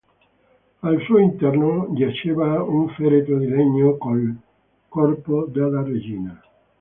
Al suo interno giaceva un feretro di legno col corpo della regina.